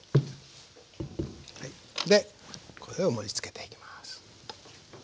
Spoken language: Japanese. でこれを盛りつけていきます。